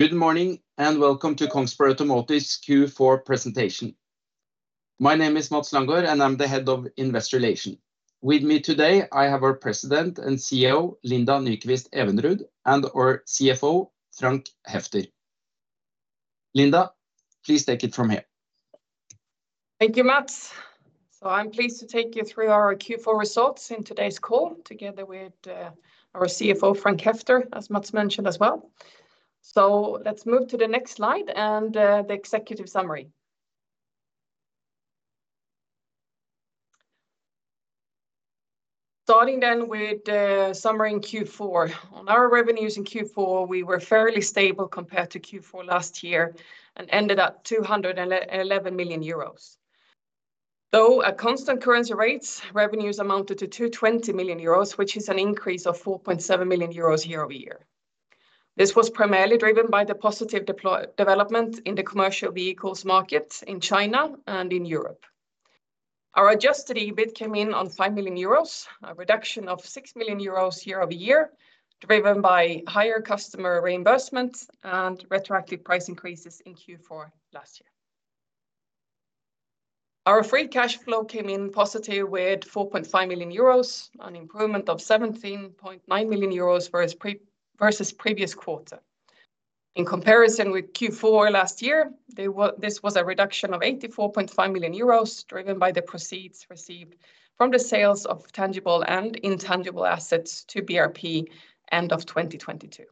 Good morning, and Welcome to Kongsberg Automotive's Q4 Presentation. My name is Mads Langaard, and I'm the head of Investor Relations. With me today, I have our President and CEO, Linda Nyquist-Evenrud, and our CFO, Frank Heffter. Linda, please take it from here. Thank you, Mads. So I'm pleased to take you through our Q4 results in today's call, together with our CFO, Frank Heffter, as Mads mentioned as well. So let's move to the next slide, and the executive summary. Starting then with the summary in Q4. On our revenues in Q4, we were fairly stable compared to Q4 last year, and ended at 211 million euros. Though, at constant currency rates, revenues amounted to 220 million euros, which is an increase of 4.7 million euros year-over-year. This was primarily driven by the positive development in the commercial vehicles markets in China and in Europe. Our adjusted EBIT came in on 5 million euros, a reduction of 6 million euros year-over-year, driven by higher customer reimbursements and retroactive price increases in Q4 last year. Our free cash flow came in positive with 4.5 million euros, an improvement of 17.9 million euros versus pre- versus previous quarter. In comparison with Q4 last year, they were this was a reduction of 84.5 million euros, driven by the proceeds received from the sales of tangible and intangible assets to BRP end of 2022.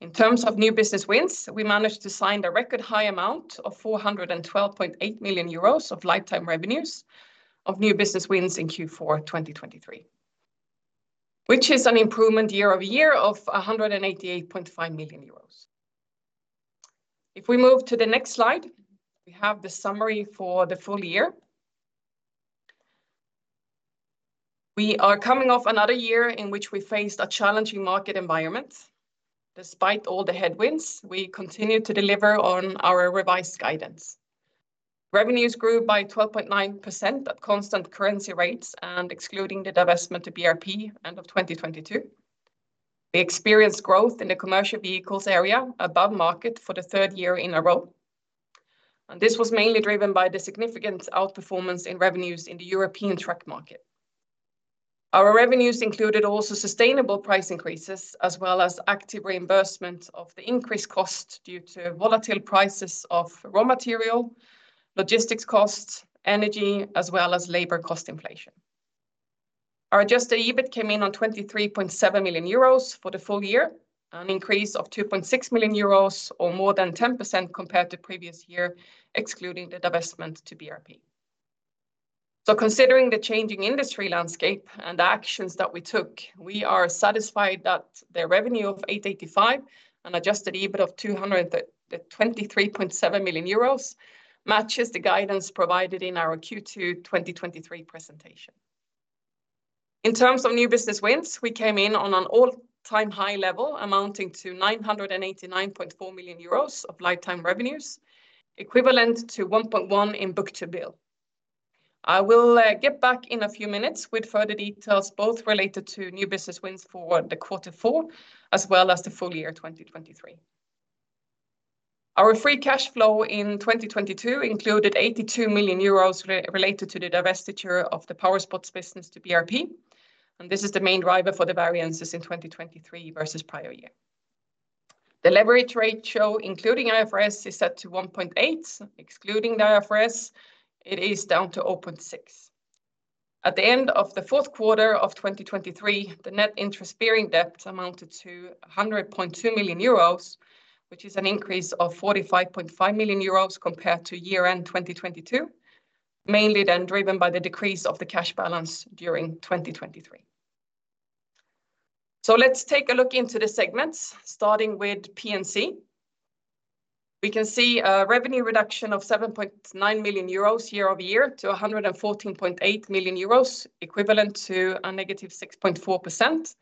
In terms of new business wins, we managed to sign a record high amount of 412.8 million euros of lifetime revenues of new business wins in Q4 2023, which is an improvement year-over-year of 188.5 million euros. If we move to the next slide, we have the summary for the full year. We are coming off another year in which we faced a challenging market environment. Despite all the headwinds, we continued to deliver on our revised guidance. Revenues grew by 12.9% at constant currency rates, and excluding the divestment to BRP end of 2022. We experienced growth in the commercial vehicles area above market for the third year in a row, and this was mainly driven by the significant outperformance in revenues in the European truck market. Our revenues included also sustainable price increases, as well as active reimbursement of the increased cost due to volatile prices of raw material, logistics costs, energy, as well as labor cost inflation. Our adjusted EBIT came in on 23.7 million euros for the full year, an increase of 2.6 million euros, or more than 10% compared to previous year, excluding the divestment to BRP. Considering the changing industry landscape and the actions that we took, we are satisfied that the revenue of 885 million and adjusted EBIT of 223.7 million euros matches the guidance provided in our Q2 2023 presentation. In terms of new business wins, we came in on an all-time high level, amounting to 989.4 million euros of lifetime revenues, equivalent to 1.1 in book-to-bill. I will get back in a few minutes with further details, both related to new business wins for the quarter four, as well as the full year 2023. Our free cash flow in 2022 included 82 million euros related to the divestiture of the Powersports business to BRP, and this is the main driver for the variances in 2023 versus prior year. The leverage ratio, including IFRS, is set to 1.8. Excluding the IFRS, it is down to 0.6. At the end of the fourth quarter of 2023, the net interest-bearing debt amounted to 100.2 million euros, which is an increase of 45.5 million euros compared to year-end 2022, mainly then driven by the decrease of the cash balance during 2023. So let's take a look into the segments, starting with P&C. We can see a revenue reduction of 7.9 million euros year-over-year to 114.8 million euros, equivalent to a -6.4%,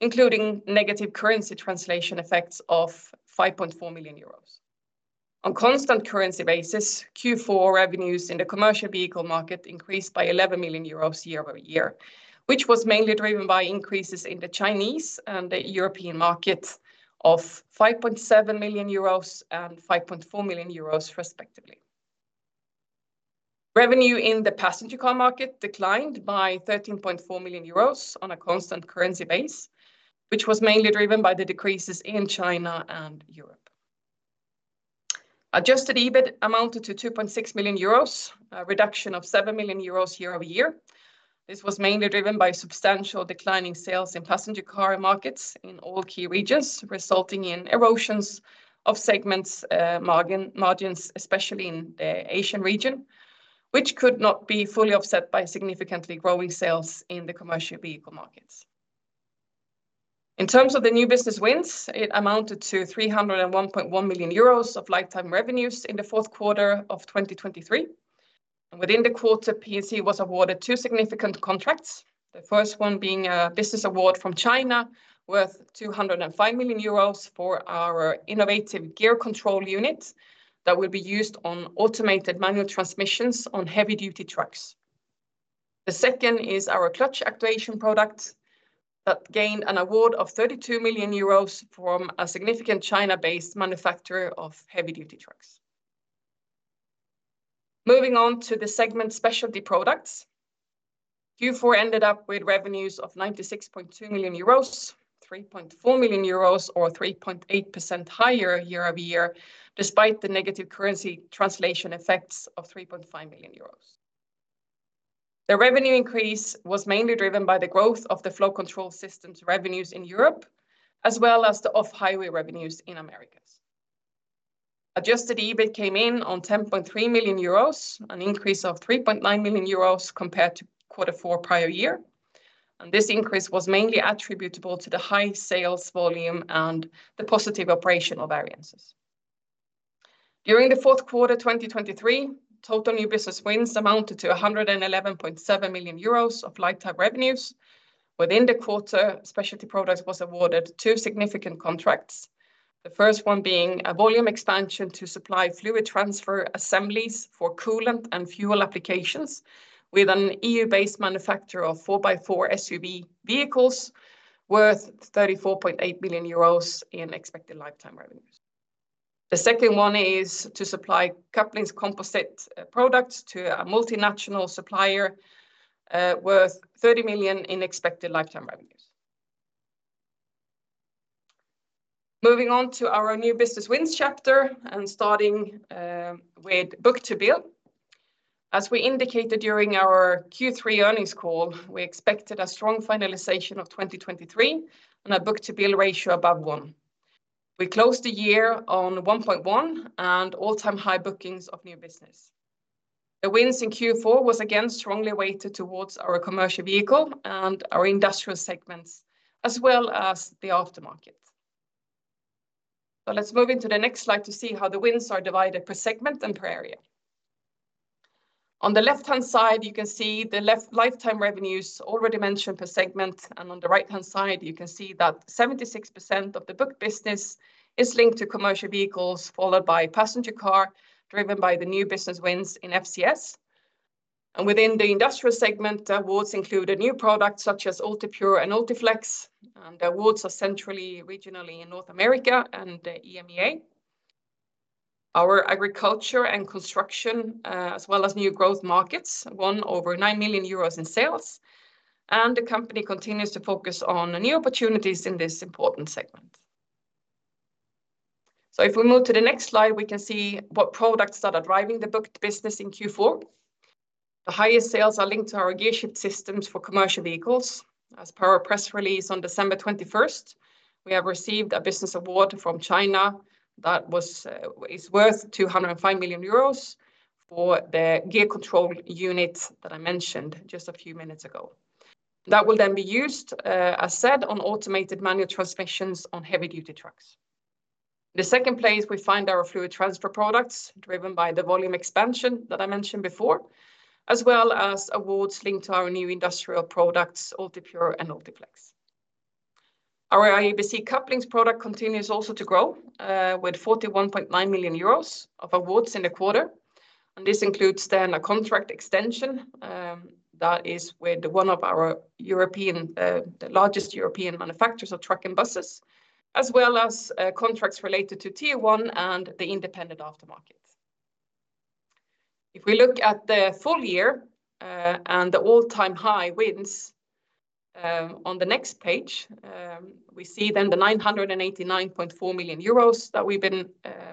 including negative currency translation effects of 5.4 million euros. On constant currency basis, Q4 revenues in the commercial vehicle market increased by 11 million euros year-over-year, which was mainly driven by increases in the Chinese and the European market of 5.7 million euros and 5.4 million euros, respectively. Revenue in the passenger car market declined by 13.4 million euros on a constant currency base, which was mainly driven by the decreases in China and Europe. Adjusted EBIT amounted to 2.6 million euros, a reduction of 7 million euros year-over-year. This was mainly driven by substantial declining sales in passenger car markets in all key regions, resulting in erosions of segments, margin, margins, especially in the Asian region, which could not be fully offset by significantly growing sales in the commercial vehicle markets. In terms of the new business wins, it amounted to 301.1 million euros of lifetime revenues in the fourth quarter of 2023. And within the quarter, P&C was awarded two significant contracts. The first one being a business award from China, worth 205 million euros for our innovative gear control unit that will be used on automated manual transmissions on heavy-duty trucks. The second is our clutch actuation product that gained an award of 32 million euros from a significant China-based manufacturer of heavy-duty trucks. Moving on to the segment Specialty Products, Q4 ended up with revenues of 96.2 million euros, 3.4 million euros, or 3.8% higher year-over-year, despite the negative currency translation effects of 3.5 million euros. The revenue increase was mainly driven by the growth of the Flow Control Systems revenues in Europe, as well as the Off-Highway revenues in Americas. Adjusted EBIT came in on 10.3 million euros, an increase of 3.9 million euros compared to quarter four prior year, and this increase was mainly attributable to the high sales volume and the positive operational variances. During the fourth quarter 2023, total new business wins amounted to 111.7 million euros of lifetime revenues. Within the quarter, specialty products was awarded two significant contracts. The first one being a volume expansion to supply fluid transfer assemblies for coolant and fuel applications with an EU-based manufacturer of 4x4 SUV vehicles, worth 34.8 million euros in expected lifetime revenues. The second one is to supply couplings composite products to a multinational supplier, worth 30 million in expected lifetime revenues. Moving on to our new business wins chapter, and starting with book-to-bill. As we indicated during our Q3 earnings call, we expected a strong finalization of 2023 and a book-to-bill ratio above one. We closed the year on 1.1, and all-time high bookings of new business. The wins in Q4 was again strongly weighted towards our commercial vehicle and our industrial segments, as well as the aftermarket. But let's move into the next slide to see how the wins are divided per segment and per area. On the left-hand side, you can see the left lifetime revenues already mentioned per segment, and on the right-hand side, you can see that 76% of the booked business is linked to commercial vehicles, followed by passenger car, driven by the new business wins in FCS. And within the industrial segment, awards include a new product such as UltiPure and UltiFlex, and awards are centrally, regionally in North America and EMEA. Our agriculture and construction, as well as new growth markets, won over 9 million euros in sales, and the company continues to focus on new opportunities in this important segment. So if we move to the next slide, we can see what products that are driving the booked business in Q4. The highest sales are linked to our gearshift systems for commercial vehicles. As per our press release on December 21st, we have received a business award from China that is worth 205 million euros for the gear control unit that I mentioned just a few minutes ago. That will then be used, as said, on automated manual transmissions on heavy duty trucks. The second place, we find our fluid transfer products, driven by the volume expansion that I mentioned before, as well as awards linked to our new industrial products, UltiPure and UltiFlex. Our ABC couplings product continues also to grow, with 41.9 million euros of awards in the quarter, and this includes then a contract extension, that is with one of our European, largest European manufacturers of trucks and buses, as well as, contracts related to Tier one and the independent aftermarket. If we look at the full year, and the all-time high wins, on the next page, we see then the 989.4 million euros that we've been,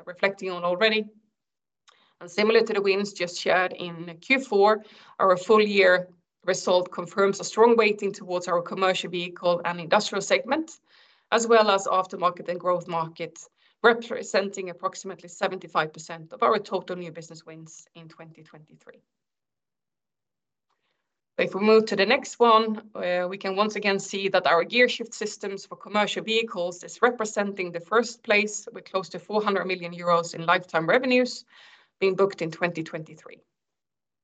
reflecting on already. Similar to the wins just shared in Q4, our full-year result confirms a strong weighting towards our commercial vehicle and industrial segment, as well as aftermarket and growth markets, representing approximately 75% of our total new business wins in 2023. If we move to the next one, we can once again see that our gearshift systems for commercial vehicles is representing the first place, with close to 400 million euros in lifetime revenues being booked in 2023.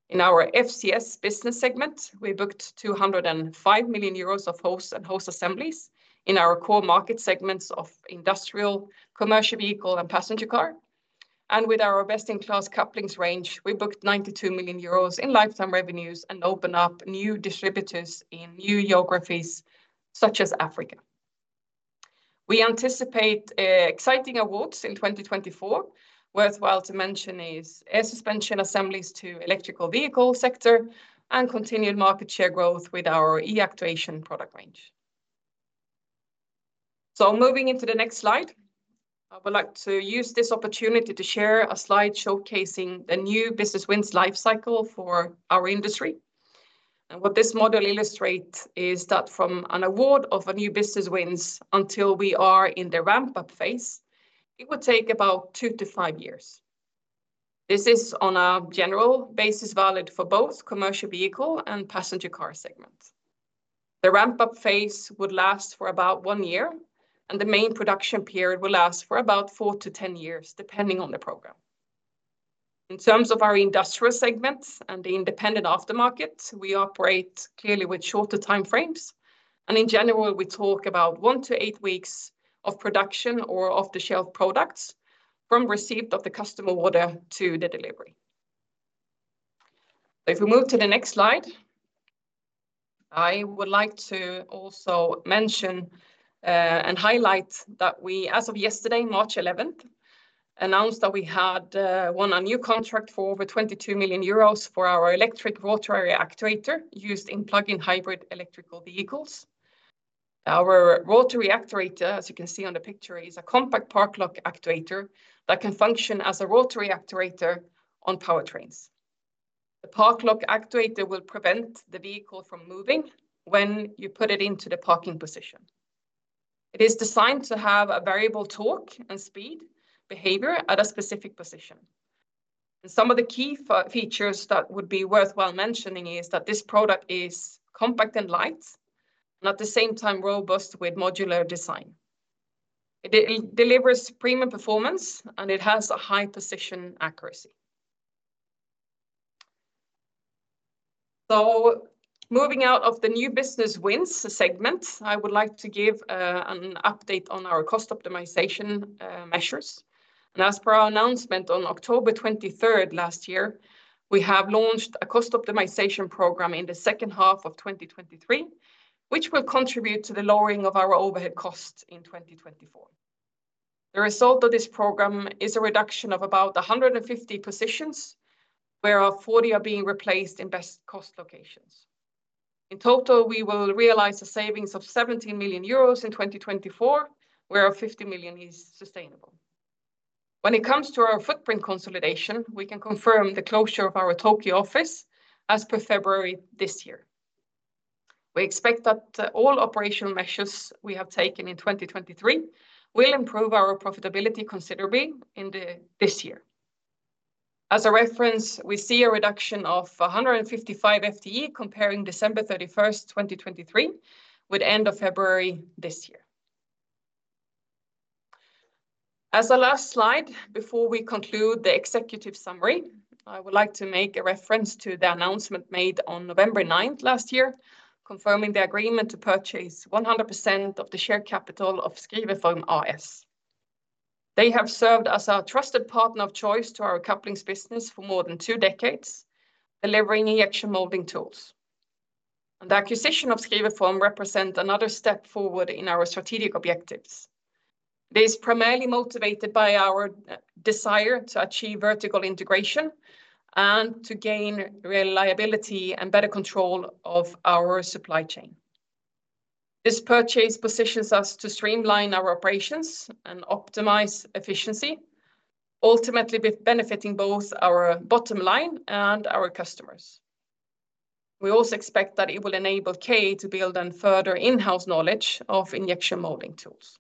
In our FCS business segment, we booked 205 million euros of hoses and hose assemblies in our core market segments of industrial, commercial vehicle, and passenger car. With our best-in-class couplings range, we booked 92 million euros in lifetime revenues and opened up new distributors in new geographies such as Africa. We anticipate exciting awards in 2024. Worthwhile to mention is air suspension assemblies to electric vehicle sector and continued market share growth with our E-actuation product range. Moving into the next slide, I would like to use this opportunity to share a slide showcasing the new business wins life cycle for our industry. What this model illustrates is that from an award of a new business wins until we are in the ramp-up phase, it would take about two-five years. This is on a general basis, valid for both commercial vehicle and passenger car segments. The ramp-up phase would last for about one year, and the main production period will last for about four-10 years, depending on the program. In terms of our industrial segments and the independent aftermarket, we operate clearly with shorter time frames, and in general, we talk about one-eight weeks of production or off-the-shelf products from receipt of the customer order to the delivery. If we move to the next slide, I would like to also mention and highlight that we, as of yesterday, March 11th, announced that we had won a new contract for over 22 million euros for our electric rotary actuator used in plug-in hybrid electrical vehicles. Our rotary actuator, as you can see on the picture, is a compact park lock actuator that can function as a rotary actuator on powertrains. The park lock actuator will prevent the vehicle from moving when you put it into the parking position. It is designed to have a variable torque and speed behavior at a specific position. Some of the key features that would be worthwhile mentioning is that this product is compact and light, and at the same time, robust with modular design. It delivers premium performance, and it has a high position accuracy. So moving out of the new business wins segment, I would like to give an update on our cost optimization measures. As per our announcement on October 23rd last year, we have launched a cost optimization program in the second half of 2023, which will contribute to the lowering of our overhead costs in 2024. The result of this program is a reduction of about 150 positions, where 40 are being replaced in best cost locations. In total, we will realize a savings of 17 million euros in 2024, where our 50 million is sustainable. When it comes to our footprint consolidation, we can confirm the closure of our Tokyo office as per February this year. We expect that all operational measures we have taken in 2023 will improve our profitability considerably in this year. As a reference, we see a reduction of 155 FTE, comparing December 31st, 2023, with end of February this year. As a last slide, before we conclude the executive summary, I would like to make a reference to the announcement made on November 9 last year, confirming the agreement to purchase 100% of the share capital of Skriverform AS. They have served as our trusted partner of choice to our couplings business for more than two decades, delivering injection molding tools. The acquisition of Skriverform represents another step forward in our strategic objectives. It is primarily motivated by our desire to achieve vertical integration and to gain reliability and better control of our supply chain. This purchase positions us to streamline our operations and optimize efficiency, ultimately benefiting both our bottom line and our customers. We also expect that it will enable KA to build on further in-house knowledge of injection molding tools.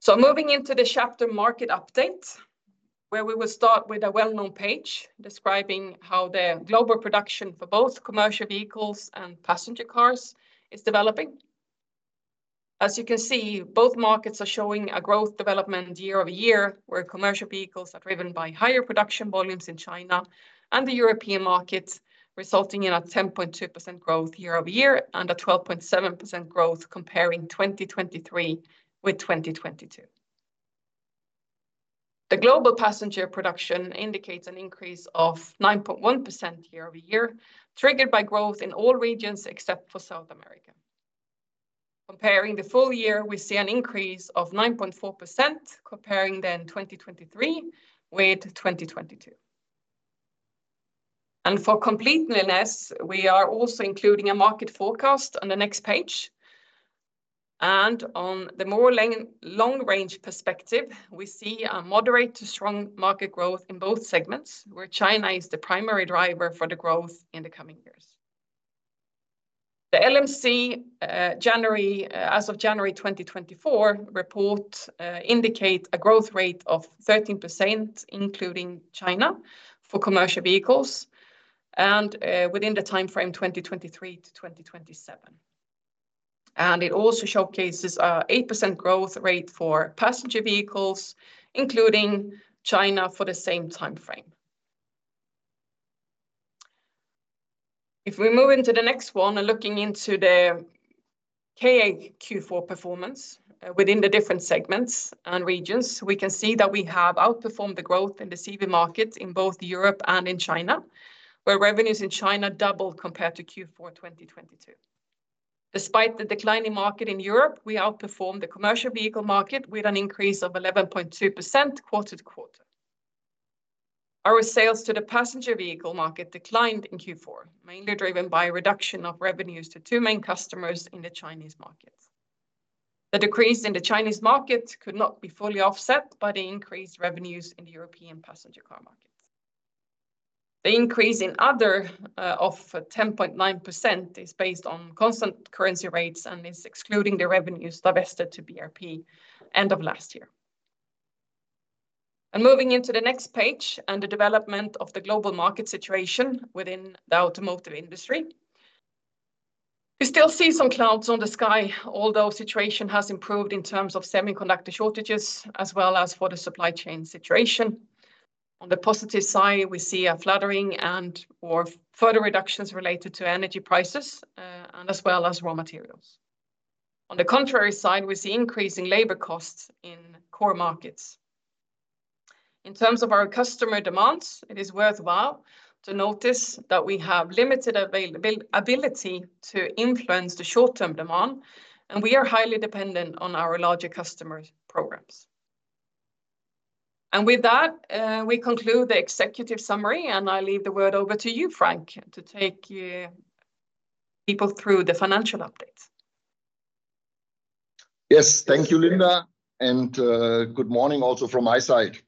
So moving into the chapter market update, where we will start with a well-known page describing how the global production for both commercial vehicles and passenger cars is developing. As you can see, both markets are showing a growth development year over year, where commercial vehicles are driven by higher production volumes in China and the European markets, resulting in a 10.2% growth year over year and a 12.7% growth comparing 2023 with 2022. The global passenger production indicates an increase of 9.1% year-over-year, triggered by growth in all regions except for South America. Comparing the full year, we see an increase of 9.4%, comparing then 2023 with 2022. For completeness, we are also including a market forecast on the next page. On the more long-range perspective, we see a moderate to strong market growth in both segments, where China is the primary driver for the growth in the coming years. The LMC January as of January 2024 report indicate a growth rate of 13%, including China, for commercial vehicles and, within the time frame 2023 to 2027. It also showcases an 8% growth rate for passenger vehicles, including China, for the same time frame. If we move into the next one, and looking into the KA Q4 performance, within the different segments and regions, we can see that we have outperformed the growth in the CV markets in both Europe and in China, where revenues in China double compared to Q4 2022. Despite the declining market in Europe, we outperformed the commercial vehicle market with an increase of 11.2% quarter-over-quarter. Our sales to the passenger vehicle market declined in Q4, mainly driven by a reduction of revenues to two main customers in the Chinese market. The decrease in the Chinese market could not be fully offset by the increased revenues in the European passenger car market. The increase in other of 10.9% is based on constant currency rates and is excluding the revenues divested to BRP end of last year. Moving into the next page and the development of the global market situation within the automotive industry. We still see some clouds on the sky, although situation has improved in terms of semiconductor shortages, as well as for the supply chain situation. On the positive side, we see a flattering and or further reductions related to energy prices, and as well as raw materials. On the contrary side, we see increasing labor costs in core markets. In terms of our customer demands, it is worthwhile to notice that we have limited availability to influence the short-term demand, and we are highly dependent on our larger customers' programs. And with that, we conclude the executive summary, and I leave the word over to you, Frank, to take you people through the financial updates. Yes, thank you, Linda, and, good morning also from my side.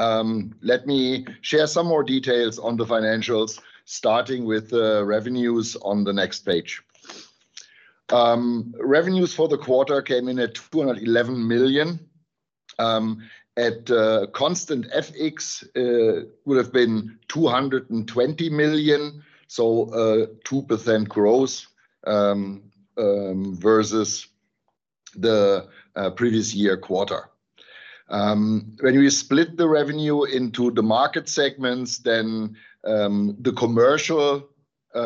Let me share some more details on the financials, starting with the revenues on the next page. Revenues for the quarter came in at 211 million. At constant FX, would have been 220 million, so, 2% growth versus the previous year quarter. When we split the revenue into the market segments, then, the commercial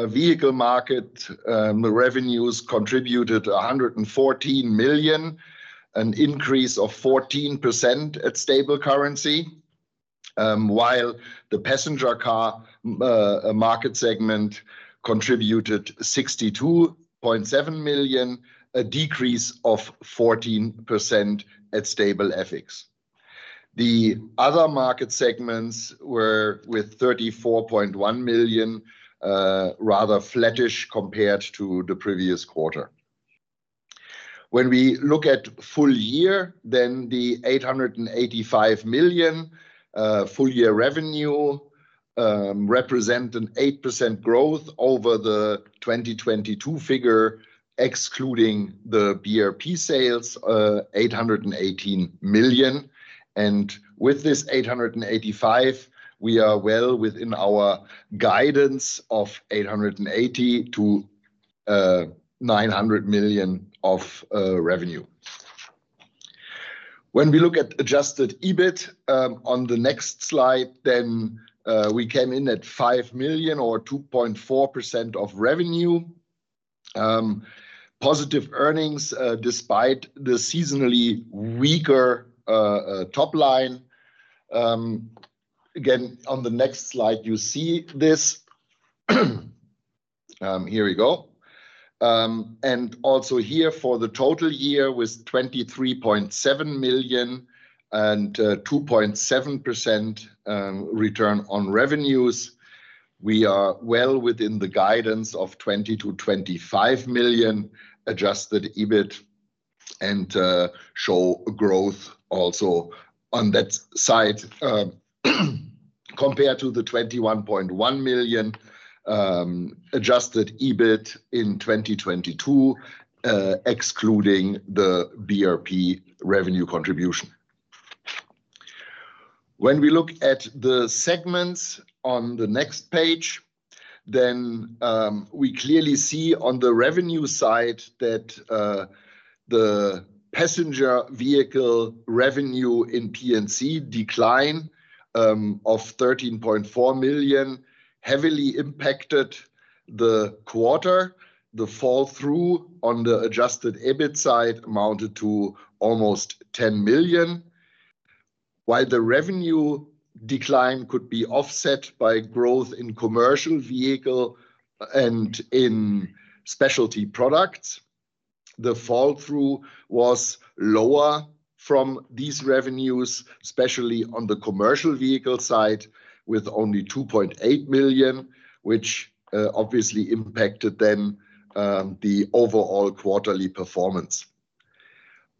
vehicle market revenues contributed 114 million, an increase of 14% at stable currency. While the passenger car market segment contributed 62.7 million, a decrease of 14% at stable FX. The other market segments were, with 34.1 million, rather flattish compared to the previous quarter. When we look at full year, then the 885 million full-year revenue represent an 8% growth over the 2022 figure, excluding the BRP sales, 818 million. And with this 885 million, we are well within our guidance of 880 million-900 million of revenue. When we look at adjusted EBIT, on the next slide, then, we came in at 5 million or 2.4% of revenue. Positive earnings, despite the seasonally weaker top line. Again, on the next slide, you see this. Here we go. and also here for the total year, with 23.7 million and 2.7% return on revenues, we are well within the guidance of 20 million-25 million adjusted EBIT, and show growth also on that side, compared to the 21.1 million adjusted EBIT in 2022, excluding the BRP revenue contribution. When we look at the segments on the next page, then we clearly see on the revenue side that the passenger vehicle revenue in P&C decline of 13.4 million heavily impacted the quarter. The fall-through on the adjusted EBIT side amounted to almost 10 million. While the revenue decline could be offset by growth in commercial vehicle and in specialty products, the fall-through was lower from these revenues, especially on the commercial vehicle side, with only 2.8 million, which obviously impacted then the overall quarterly performance.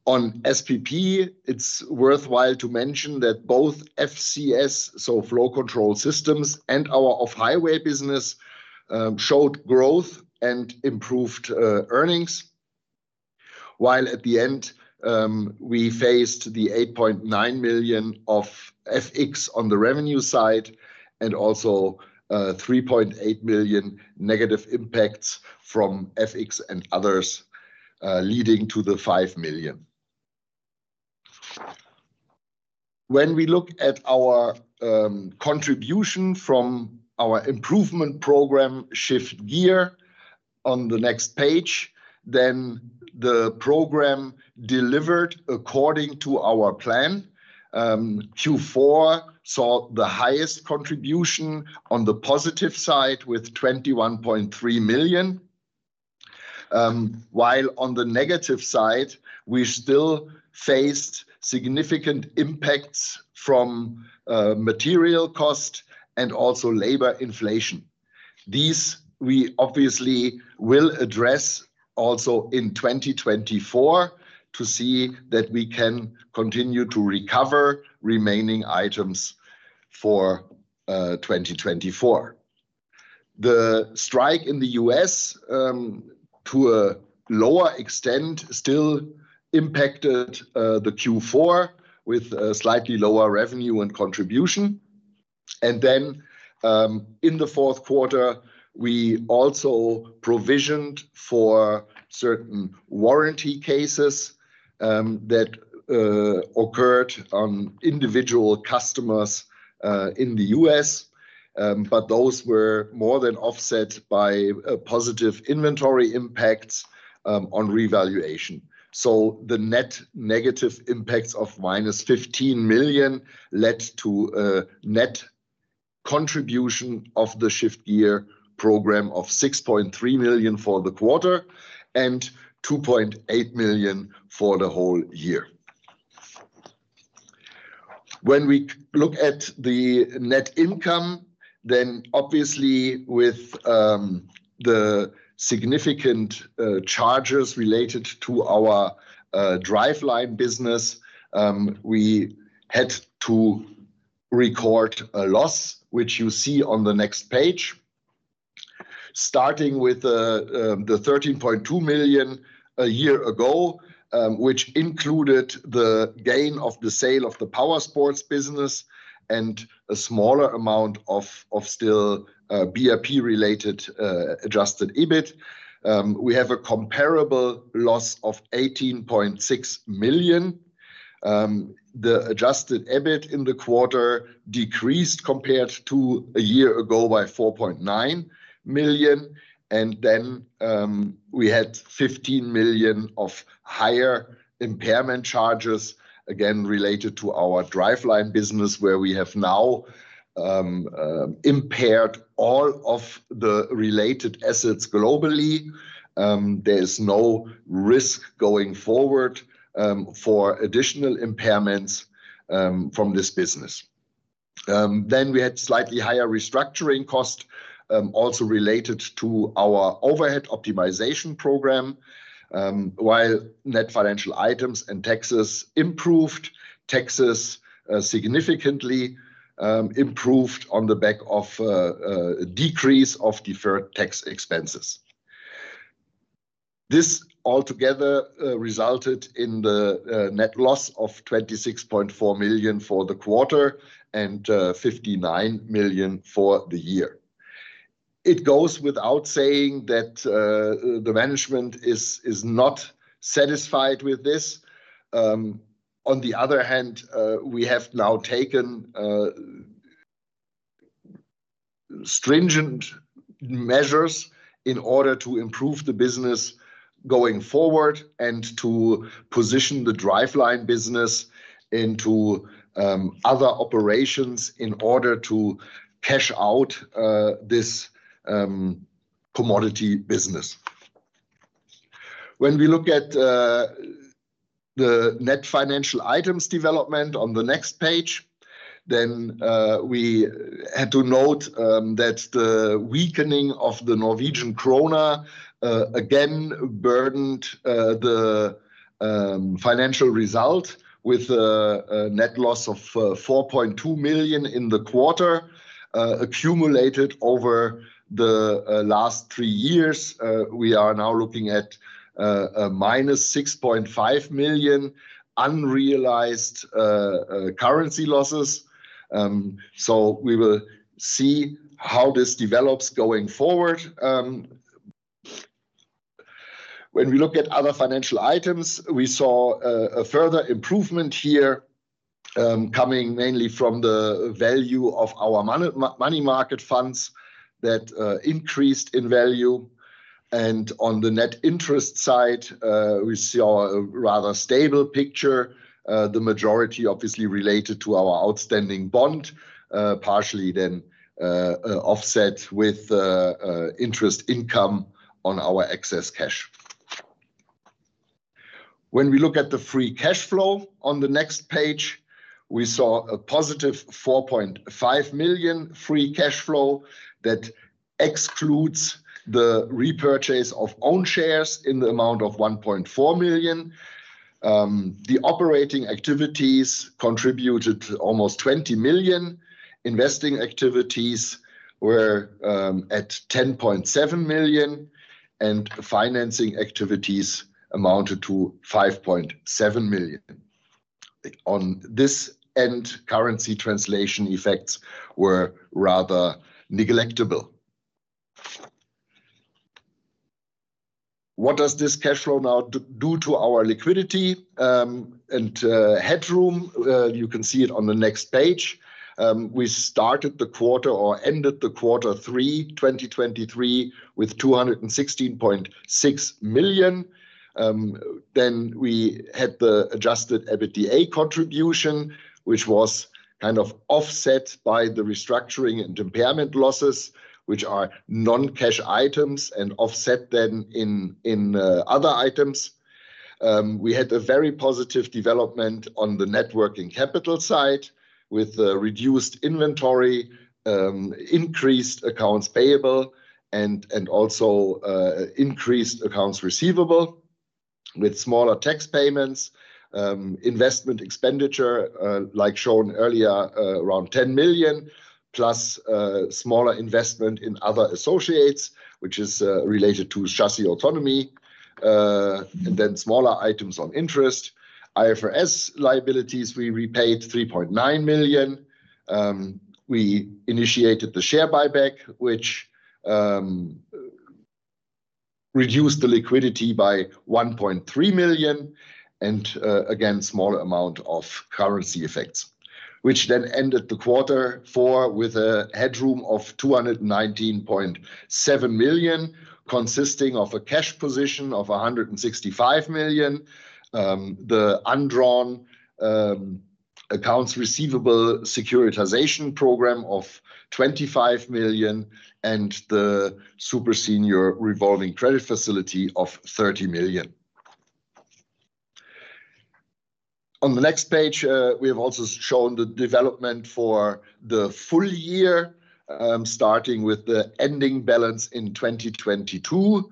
On SPP, it's worthwhile to mention that both FCS, so Flow Control Systems, and our Off-Highway business showed growth and improved earnings. While at the end, we faced the 8.9 million of FX on the revenue side, and also 3.8 million negative impacts from FX and others, leading to the 5 million. When we look at our contribution from our improvement program, Shift Gear, on the next page, then the program delivered according to our plan. Q4 saw the highest contribution on the positive side, with 21.3 million. While on the negative side, we still faced significant impacts from material cost and also labor inflation. These we obviously will address also in 2024, to see that we can continue to recover remaining items for 2024. The strike in the U.S., to a lower extent, still impacted the Q4, with a slightly lower revenue and contribution. And then, in the fourth quarter, we also provisioned for certain warranty cases that occurred on individual customers in the U.S. But those were more than offset by a positive inventory impact on revaluation. So the net negative impacts of -15 million led to a net contribution of the Shift Gear program of 6.3 million for the quarter, and 2.8 million for the whole year. When we look at the net income, then obviously, with the significant charges related to our driveline business, we had to record a loss, which you see on the next page. Starting with the 13.2 million a year ago, which included the gain of the sale of the power sports business and a smaller amount of still BRP-related adjusted EBIT. We have a comparable loss of 18.6 million. The adjusted EBIT in the quarter decreased compared to a year ago by 4.9 million, and then we had 15 million of higher impairment charges, again, related to our driveline business, where we have now impaired all of the related assets globally. There is no risk going forward for additional impairments from this business. Then we had slightly higher restructuring costs, also related to our overhead optimization program, while net financial items and taxes improved. Taxes significantly improved on the back of a decrease of deferred tax expenses. This altogether resulted in the net loss of 26.4 million for the quarter, and 59 million for the year. It goes without saying that the management is not satisfied with this. On the other hand, we have now taken stringent measures in order to improve the business going forward and to position the driveline business into other operations in order to cash out this commodity business. When we look at the net financial items development on the next page, then we had to note that the weakening of the Norwegian kroner again burdened the financial result with a net loss of 4.2 million in the quarter. Accumulated over the last three years, we are now looking at a -6.5 million unrealized currency losses. We will see how this develops going forward. When we look at other financial items, we saw a further improvement here coming mainly from the value of our money market funds that increased in value. On the net interest side, we saw a rather stable picture, the majority obviously related to our outstanding bond, partially then offset with interest income on our excess cash. When we look at the free cash flow on the next page, we saw a positive 4.5 million free cash flow. That excludes the repurchase of own shares in the amount of 1.4 million. The operating activities contributed to almost 20 million. Investing activities were at 10.7 million, and financing activities amounted to 5.7 million. On this end, currency translation effects were rather negligible. What does this cash flow now do to our liquidity and headroom? You can see it on the next page. We started the quarter or ended the quarter three, 2023, with 216.6 million. Then we had the adjusted EBITDA contribution, which was kind of offset by the restructuring and impairment losses, which are non-cash items and offset then in other items. We had a very positive development on the net working capital side, with a reduced inventory, increased accounts payable, and also increased accounts receivable with smaller tax payments. Investment expenditure, like shown earlier, around 10 million, plus smaller investment in other associates, which is related to Chassis Autonomy, and then smaller items on interest. IFRS liabilities, we repaid 3.9 million. We initiated the share buyback, which reduced the liquidity by 1.3 million, and, again, small amount of currency effects, which then ended the quarter four with a headroom of 219.7 million, consisting of a cash position of 165 million, the undrawn, accounts receivable securitization program of 25 million, and the super senior revolving credit facility of 30 million. On the next page, we have also shown the development for the full year, starting with the ending balance in 2022.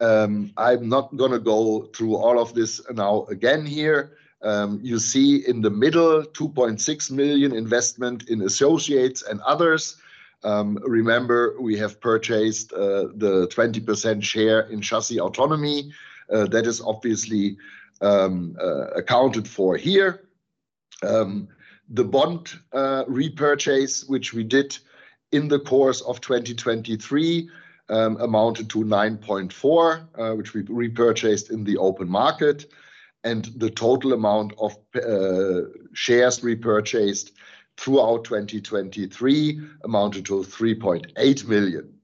I'm not gonna go through all of this now again here. You see in the middle, 2.6 million investment in associates and others. Remember, we have purchased, the 20% share in Chassis Autonomy. That is obviously, accounted for here. The bond repurchase, which we did in the course of 2023, amounted to 9.4 million, which we repurchased in the open market, and the total amount of shares repurchased throughout 2023 amounted to 3.8 million.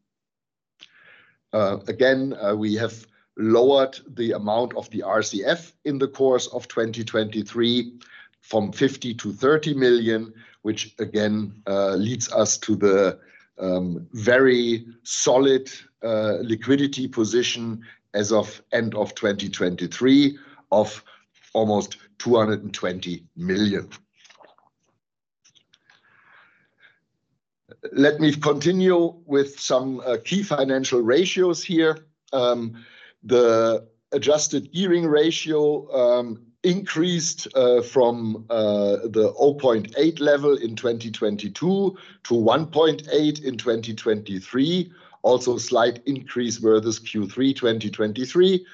Again, we have lowered the amount of the RCF in the course of 2023 from 50 million-30 million, which again leads us to the very solid liquidity position as of end of 2023, of almost EUR 220 million. Let me continue with some key financial ratios here. The adjusted gearing ratio increased from the 0.8 level in 2022 to 1.8 in 2023. Also, slight increase were this Q3 2023.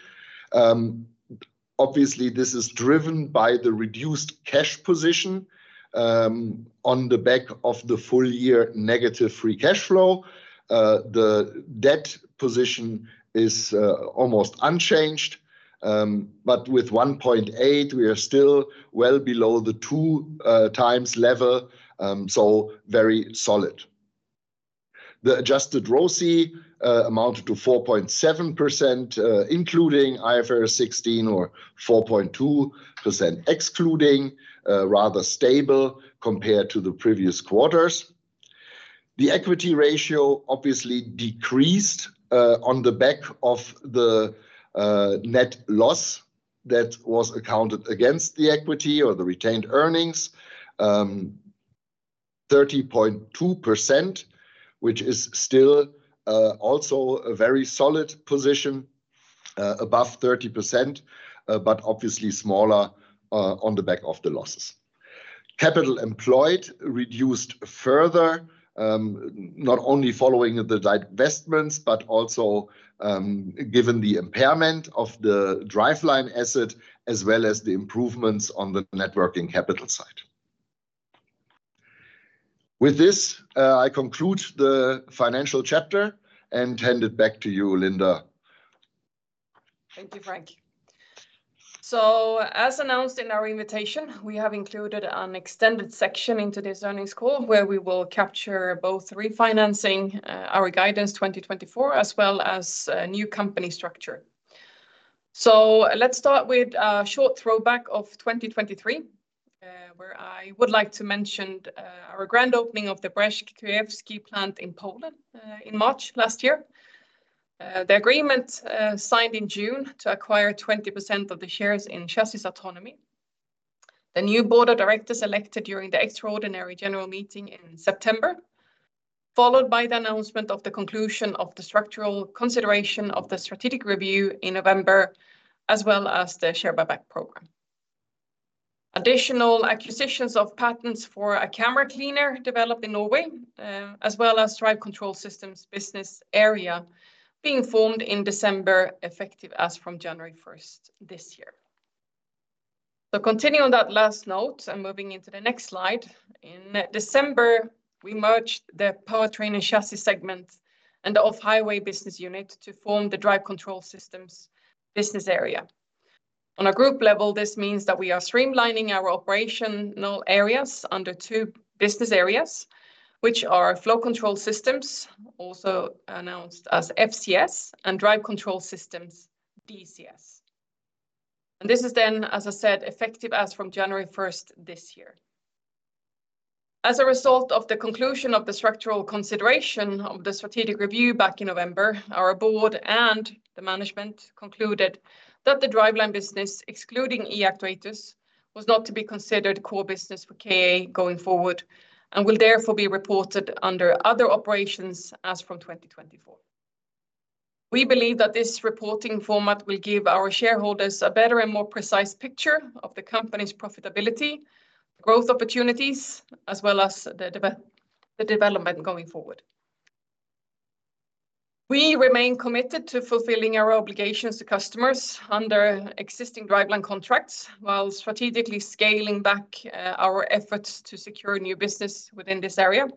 Obviously, this is driven by the reduced cash position on the back of the full year negative free cash flow. The debt position is almost unchanged, but with 1.8, we are still well below the 2x level, so very solid. The adjusted ROCE amounted to 4.7%, including IFRS 16 or 4.2%, excluding, rather stable compared to the previous quarters. The equity ratio obviously decreased on the back of the net loss that was accounted against the equity or the retained earnings. 30.2%, which is still also a very solid position above 30%, but obviously smaller on the back of the losses. Capital employed reduced further, not only following the divestments, but also, given the impairment of the driveline asset, as well as the improvements on the net working capital side. With this, I conclude the financial chapter and hand it back to you, Linda. Thank you, Frank. So as announced in our invitation, we have included an extended section into this earnings call, where we will capture both refinancing, our guidance 2024, as well as a new company structure. So let's start with a short throwback of 2023, where I would like to mention our grand opening of the Brzeskie plant in Poland in March last year. The agreement signed in June to acquire 20% of the shares in Chassis Autonomy. The new board of directors elected during the extraordinary general meeting in September, followed by the announcement of the conclusion of the structural consideration of the strategic review in November, as well as the share buyback program. Additional acquisitions of patents for a camera cleaner developed in Norway, as well as Drive Control Systems business area being formed in December, effective as from January first this year. So continuing on that last note and moving into the next slide, in December, we merged the Powertrain and Chassis segment and the Off-Highway business unit to form the Drive Control Systems business area. On a group level, this means that we are streamlining our operational areas under two business areas, which are Flow Control Systems, also announced as FCS, and Drive Control Systems, DCS. And this is then, as I said, effective as from January first this year. As a result of the conclusion of the structural consideration of the strategic review back in November, our board and the management concluded that the Driveline business, excluding E-actuators, was not to be considered core business for KA going forward, and will therefore be reported under other operations as from 2024. We believe that this reporting format will give our shareholders a better and more precise picture of the company's profitability, growth opportunities, as well as the development going forward. We remain committed to fulfilling our obligations to customers under existing Driveline contracts, while strategically scaling back our efforts to secure new business within this area.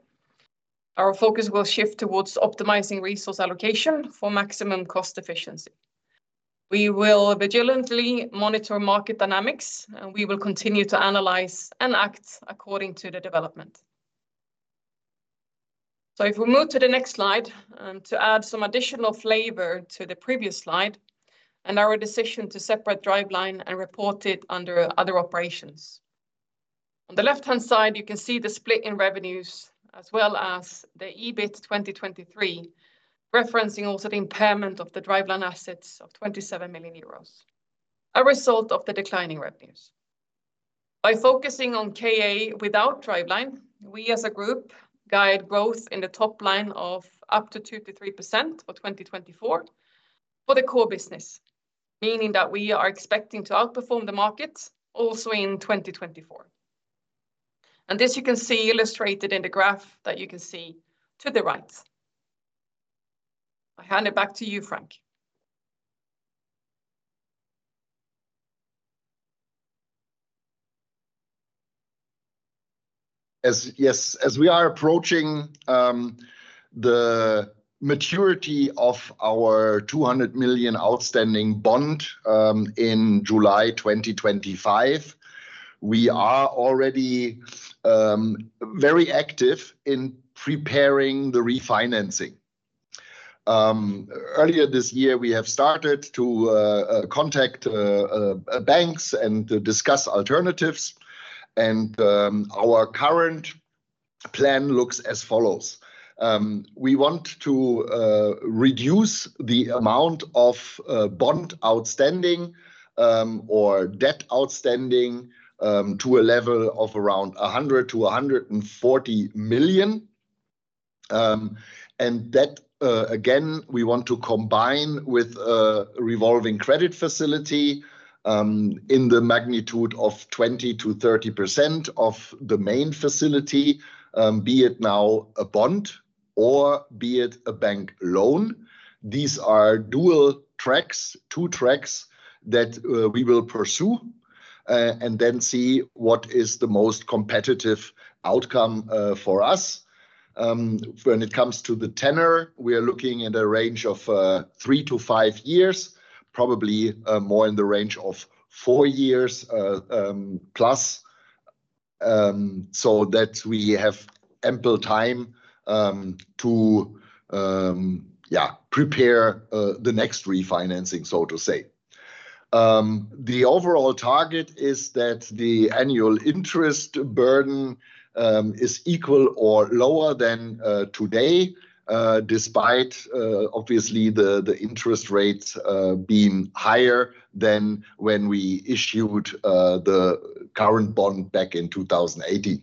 Our focus will shift towards optimizing resource allocation for maximum cost efficiency. We will vigilantly monitor market dynamics, and we will continue to analyze and act according to the development. So if we move to the next slide, to add some additional flavor to the previous slide, and our decision to separate Driveline and report it under other operations. On the left-hand side, you can see the split in revenues, as well as the EBIT 2023, referencing also the impairment of the Driveline assets of 27 million euros, a result of the declining revenues. By focusing on KA without Driveline, we, as a group, guide growth in the top line of up to 2%-3% for 2024 for the core business, meaning that we are expecting to outperform the market also in 2024. And this you can see illustrated in the graph that you can see to the right. I hand it back to you, Frank. Yes, as we are approaching the maturity of our 200 million outstanding bond in July 2025, we are already very active in preparing the refinancing. Earlier this year, we have started to contact banks and to discuss alternatives, and our current plan looks as follows: We want to reduce the amount of bond outstanding or debt outstanding to a level of around 100 million-140 million. That, again, we want to combine with a revolving credit facility in the magnitude of 20%-30% of the main facility, be it now a bond or be it a bank loan. These are dual tracks, two tracks that we will pursue and then see what is the most competitive outcome for us. When it comes to the tenor, we are looking at a range of three-five years, probably more in the range of four years plus, so that we have ample time to yeah prepare the next refinancing, so to say. The overall target is that the annual interest burden is equal or lower than today, despite obviously the interest rates being higher than when we issued the current bond back in 2018.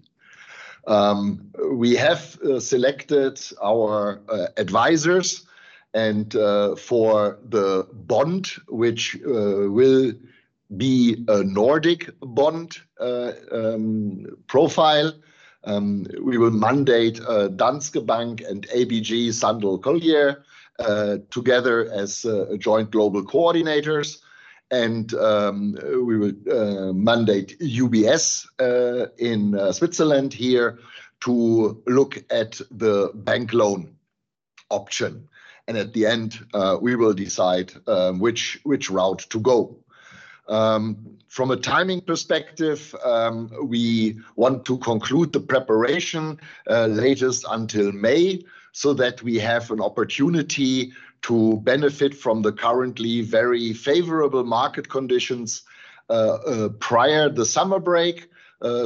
We have selected our advisors, and for the bond, which will be a Nordic bond profile. We will mandate Danske Bank and ABG Sundal Collier together as joint global coordinators. We will mandate UBS in Switzerland here to look at the bank loan option. At the end, we will decide which route to go. From a timing perspective, we want to conclude the preparation latest until May, so that we have an opportunity to benefit from the currently very favorable market conditions prior the summer break,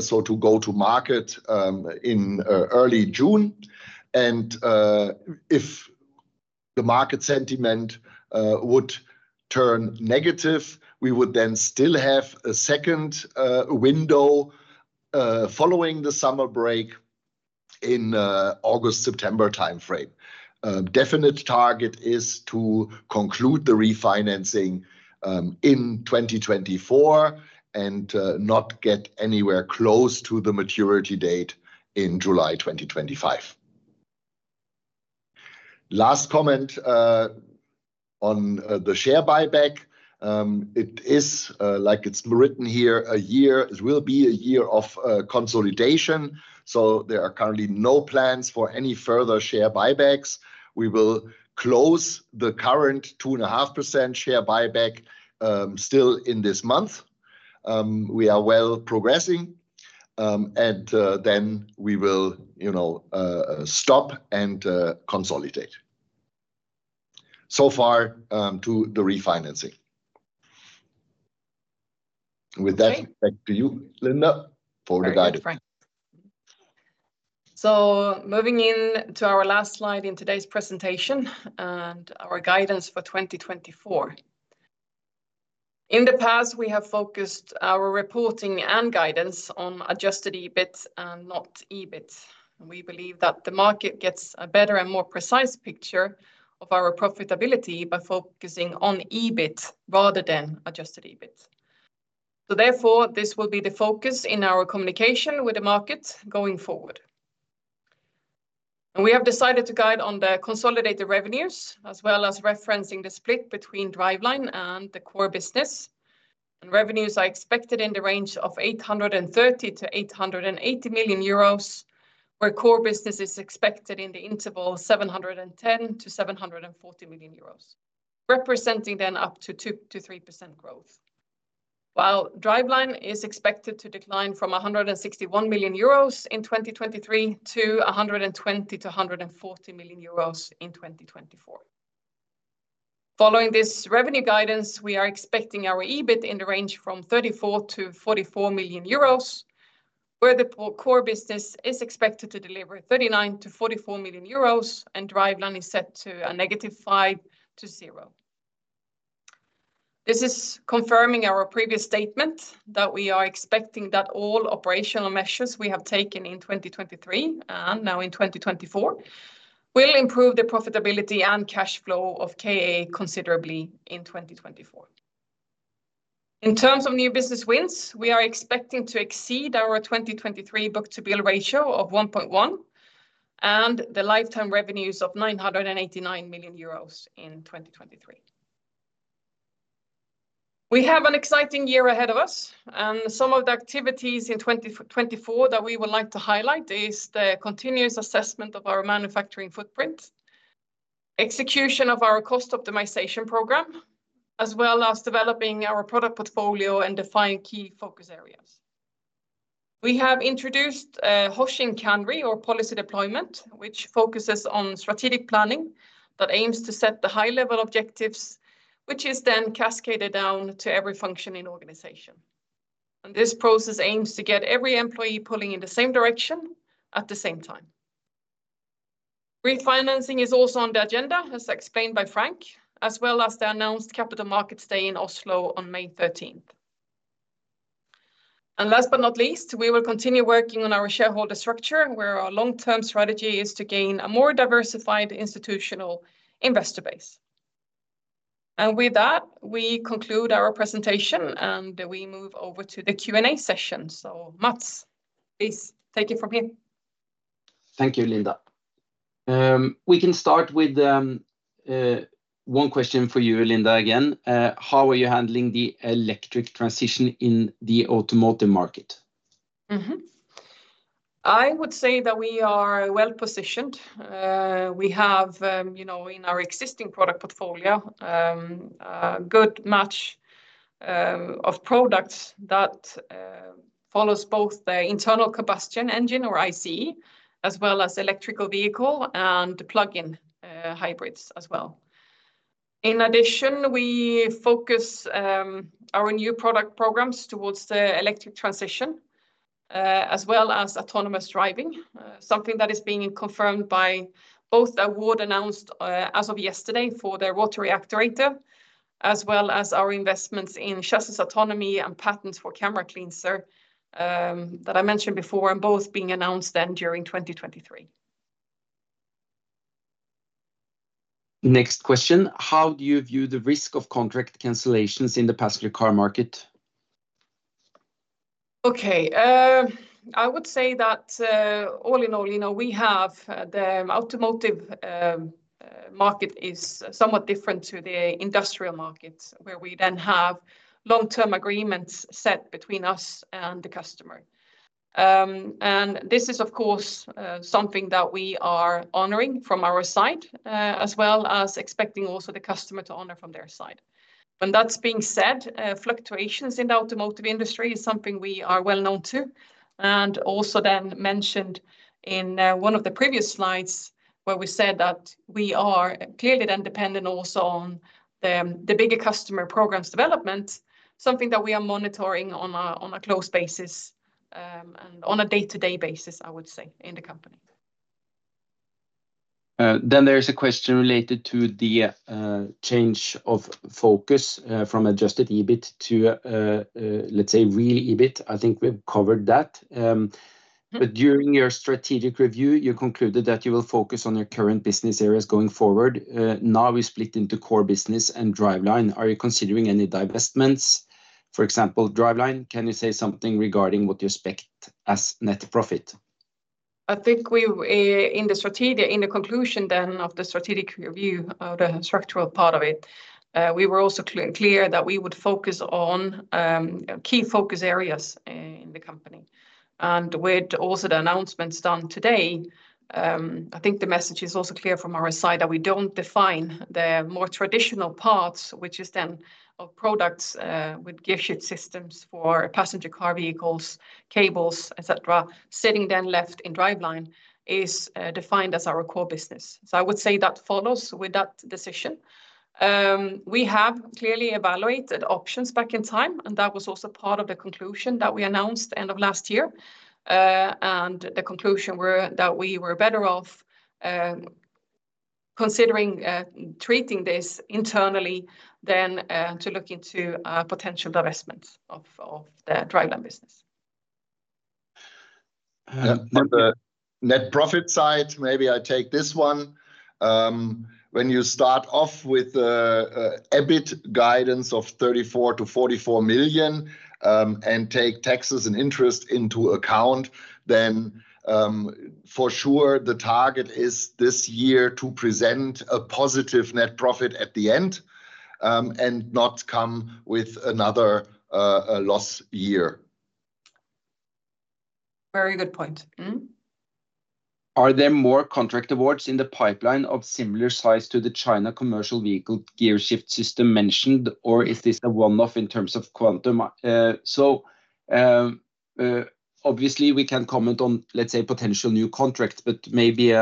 so to go to market in early June. If the market sentiment would turn negative, we would then still have a second window following the summer break in August, September timeframe. Definite target is to conclude the refinancing in 2024, and not get anywhere close to the maturity date in July 2025. Last comment on the share buyback. It is, like it's written here, a year. It will be a year of consolidation, so there are currently no plans for any further share buybacks. We will close the current 2.5% share buyback still in this month. We are well progressing. And then we will, you know, stop and consolidate. So far to the refinancing. With that back to you, Linda, for the guidance. Thank you, Frank. So moving into our last slide in today's presentation, and our guidance for 2024. In the past, we have focused our reporting and guidance on adjusted EBIT and not EBIT. We believe that the market gets a better and more precise picture of our profitability by focusing on EBIT rather than adjusted EBIT. So therefore, this will be the focus in our communication with the market going forward. We have decided to guide on the consolidated revenues, as well as referencing the split between Driveline and the core business. Revenues are expected in the range of 830 million-880 million euros, where core business is expected in the interval 710 million-740 million euros, representing then up to 2%-3% growth. While Driveline is expected to decline from 161 million euros in 2023 to 120 million-140 million euros in 2024. Following this revenue guidance, we are expecting our EBIT in the range from 34 million-44 million euros, where the P&C core business is expected to deliver 39 million-44 million euros, and Driveline is set to a negative five to zero. This is confirming our previous statement, that we are expecting that all operational measures we have taken in 2023, and now in 2024, will improve the profitability and cash flow of KA considerably in 2024. In terms of new business wins, we are expecting to exceed our 2023 book-to-bill ratio of 1.1, and the lifetime revenues of 989 million euros in 2023. We have an exciting year ahead of us, and some of the activities in 2024 that we would like to highlight is the continuous assessment of our manufacturing footprint, execution of our cost optimization program, as well as developing our product portfolio and define key focus areas. We have introduced Hoshin Kanri, or policy deployment, which focuses on strategic planning, that aims to set the high-level objectives, which is then cascaded down to every function in organization. This process aims to get every employee pulling in the same direction at the same time. Refinancing is also on the agenda, as explained by Frank, as well as the announced Capital Markets Day in Oslo on May 13th. Last but not least, we will continue working on our shareholder structure, where our long-term strategy is to gain a more diversified institutional investor base. With that, we conclude our presentation, and we move over to the Q&A session. Mads, please take it from here. Thank you, Linda. We can start with one question for you, Linda, again. How are you handling the electric transition in the automotive market? I would say that we are well positioned. We have, you know, in our existing product portfolio, a good match of products that follows both the internal combustion engine, or IC, as well as electric vehicle and plug-in hybrids as well. In addition, we focus our new product programs towards the electric transition, as well as autonomous driving. Something that is being confirmed by both awards announced as of yesterday for the rotary actuator, as well as our investments in Chassis Autonomy and patents for camera cleaners that I mentioned before, and both being announced then during 2023. Next question: How do you view the risk of contract cancellations in the passenger car market? Okay, I would say that, all in all, you know, we have, the automotive, market is somewhat different to the industrial markets, where we then have long-term agreements set between us and the customer. And this is, of course, something that we are honoring from our side, as well as expecting also the customer to honor from their side. And that being said, fluctuations in the automotive industry is something we are well known to, and also then mentioned in, one of the previous slides, where we said that we are clearly then dependent also on the, the bigger customer programs development, something that we are monitoring on a, on a close basis, and on a day-to-day basis, I would say, in the company. Then there is a question related to the change of focus from Adjusted EBIT to, let's say, real EBIT. I think we've covered that but during your strategic review, you concluded that you will focus on your current business areas going forward. Now we split into core business and Driveline. Are you considering any divestments, for example, Driveline? Can you say something regarding what you expect as net profit? I think we in the conclusion then of the strategic review of the structural part of it, we were also clear that we would focus on key focus areas in the company. And with also the announcements done today, I think the message is also clear from our side that we don't define the more traditional parts, which is then of products with gear shift systems for passenger car vehicles, cables, et cetera. Sitting then left in Driveline is defined as our core business. So I would say that follows with that decision. We have clearly evaluated options back in time, and that was also part of the conclusion that we announced end of last year. The conclusion were that we were better off considering treating this internally than to look into potential divestments of the Driveline business. On the net profit side, maybe I take this one. When you start off with EBIT guidance of 34 million-44 million, and take taxes and interest into account, then, for sure, the target is this year to present a positive net profit at the end, and not come with another loss year. Very good point. Are there more contract awards in the pipeline of similar size to the China commercial vehicle gearshift system mentioned, or is this a one-off in terms of quantum? So, obviously, we can't comment on, let's say, potential new contracts, but maybe,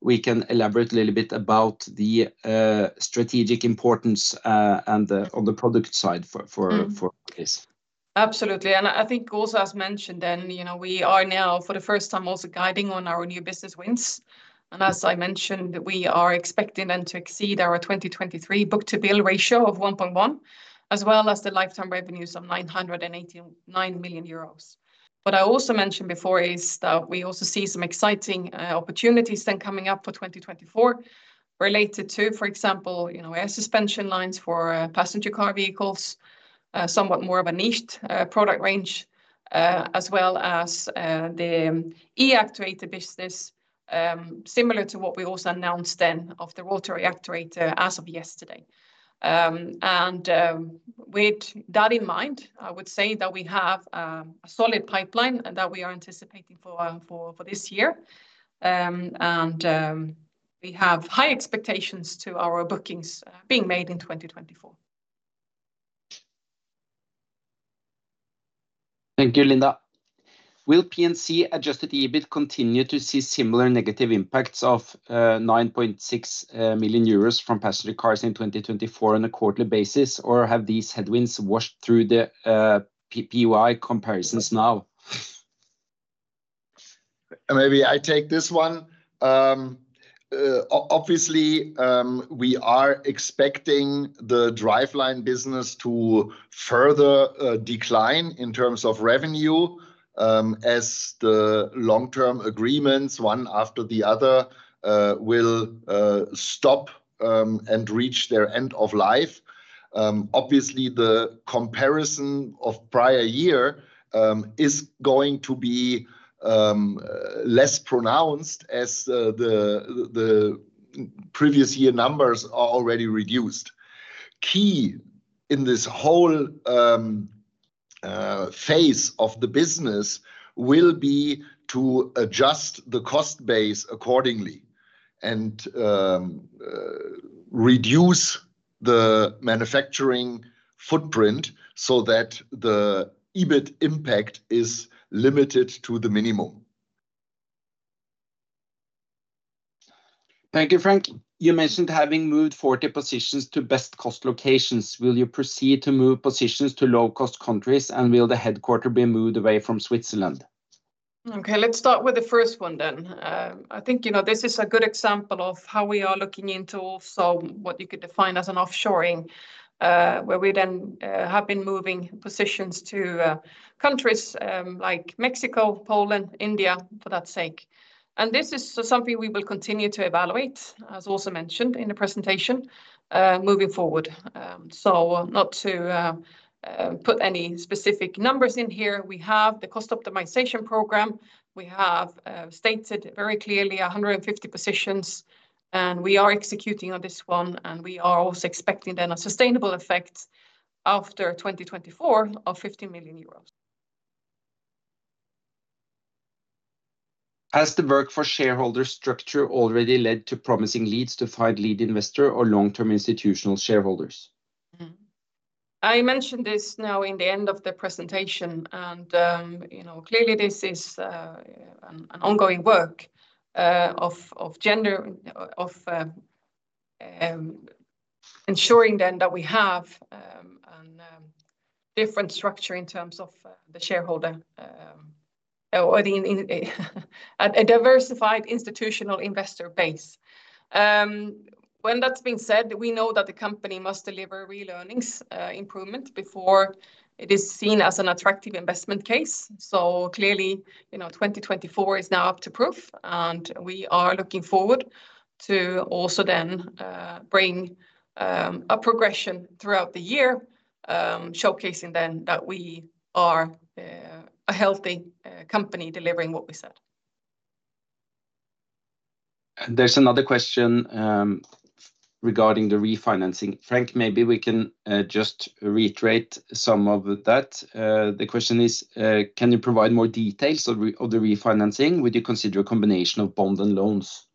we can elaborate a little bit about the, strategic importance, and the, on the product side for this. Absolutely. And I think also as mentioned then, you know, we are now for the first time also guiding on our new business wins. And as I mentioned, we are expecting then to exceed our 2023 book-to-bill ratio of 1.1, as well as the lifetime revenues of 989 million euros. What I also mentioned before is that we also see some exciting opportunities then coming up for 2024, related to, for example, you know, air suspension lines for passenger car vehicles, somewhat more of a niched product range, as well as the E-actuator business, similar to what we also announced then of the rotary actuator as of yesterday. And with that in mind, I would say that we have a solid pipeline that we are anticipating for this year. We have high expectations to our bookings being made in 2024. Thank you, Linda. Will P&C adjusted EBIT continue to see similar negative impacts of 9.6 million euros from passenger cars in 2024 on a quarterly basis, or have these headwinds washed through the PPY comparisons now? Maybe I take this one. Obviously, we are expecting the driveline business to further decline in terms of revenue, as the long-term agreements, one after the other, will stop and reach their end of life. Obviously, the comparison of prior year is going to be less pronounced as the previous year numbers are already reduced. Key in this whole phase of the business will be to adjust the cost base accordingly, and reduce the manufacturing footprint so that the EBIT impact is limited to the minimum. Thank you, Frank. You mentioned having moved 40 positions to best cost locations. Will you proceed to move positions to low-cost countries, and will the headquarters be moved away from Switzerland? Okay, let's start with the first one then. I think, you know, this is a good example of how we are looking into also what you could define as an offshoring, where we then have been moving positions to countries like Mexico, Poland, India, for that sake. And this is so something we will continue to evaluate, as also mentioned in the presentation, moving forward. So not to put any specific numbers in here, we have the cost optimization program. We have stated very clearly 150 positions, and we are executing on this one, and we are also expecting then a sustainable effect after 2024 of EUR 50 million. Has the work for shareholder structure already led to promising leads to find lead investor or long-term institutional shareholders? I mentioned this now in the end of the presentation, and, you know, clearly this is an ongoing work of ensuring then that we have a different structure in terms of the shareholder or a diversified institutional investor base. When that's been said, we know that the company must deliver real earnings improvement before it is seen as an attractive investment case. So clearly, you know, 2024 is now up to proof, and we are looking forward to also then bring a progression throughout the year, showcasing then that we are a healthy company delivering what we said. There's another question regarding the refinancing. Frank, maybe we can just reiterate some of that. The question is, can you provide more details of the refinancing? Would you consider a combination of bonds and loans?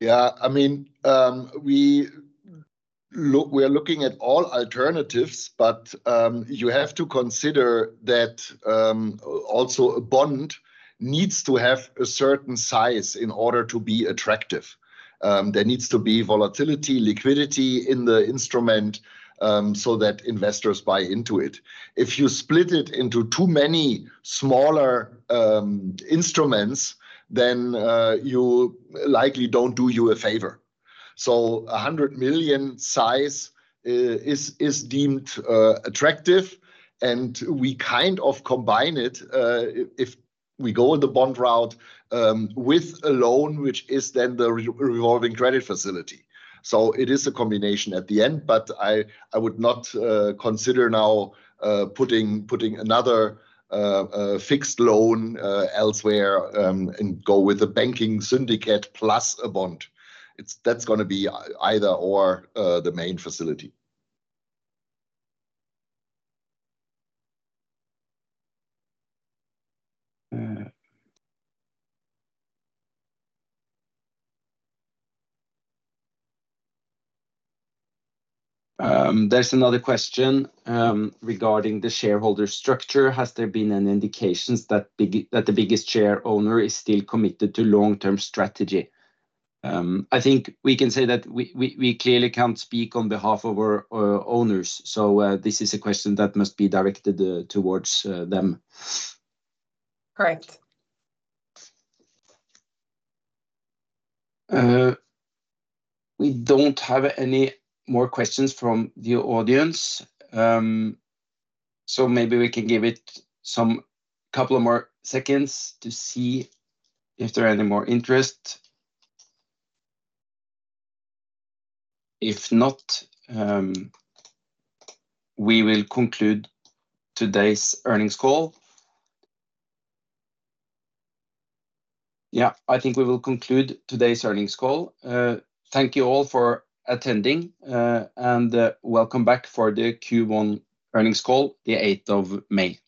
Yeah, I mean, we are looking at all alternatives, but you have to consider that also a bond needs to have a certain size in order to be attractive. There needs to be volatility, liquidity in the instrument, so that investors buy into it. If you split it into too many smaller instruments, then you likely don't do you a favor. So 100 million size is deemed attractive, and we kind of combine it if we go the bond route with a loan, which is then the revolving credit facility. So it is a combination at the end, but I would not consider now putting another fixed loan elsewhere and go with a banking syndicate plus a bond. That's gonna be either/or, the main facility. There's another question regarding the shareholder structure. Has there been any indications that the biggest share owner is still committed to long-term strategy? I think we can say that we clearly can't speak on behalf of our owners, so this is a question that must be directed towards them. Correct. We don't have any more questions from the audience. So maybe we can give it some couple of more seconds to see if there are any more interest. If not, we will conclude today's earnings call. Yeah, I think we will conclude today's earnings call. Thank you, all, for attending, and welcome back for the Q1 earnings call, the 8th of May.